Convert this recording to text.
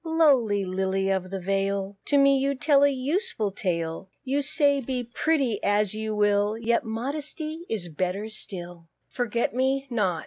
Lowly Lily of the Vale, To me you tell a useful tale: You say, "Be pretty as you will, Yet modesty is lovelier still." FORGET ME NOT.